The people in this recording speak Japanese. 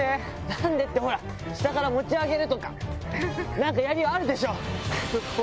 なんでってほら、下から持ち上げるとか、なんかやりようあるでしょ？